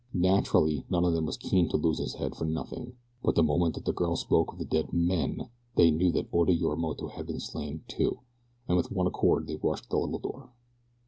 Naturally none of them was keen to lose his head for nothing, but the moment that the girl spoke of the dead "men" they knew that Oda Yorimoto had been slain, too, and with one accord they rushed the little door.